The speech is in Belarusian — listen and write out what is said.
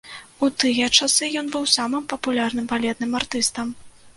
У тыя часы ён быў самым папулярным балетным артыстам.